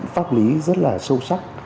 pháp lý rất là sâu sắc